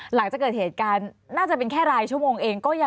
หลังจากเกิดเหตุการณ์น่าจะเป็นแค่รายชั่วโมงเอง